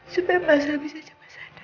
supaya masalah bisa cepat sadar